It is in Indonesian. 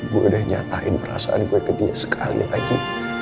gue udah nyatain perasaan gue ke dia sekali lagi